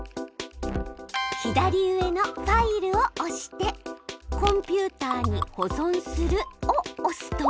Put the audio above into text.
左上の「ファイル」を押して「コンピューターに保存する」を押すと。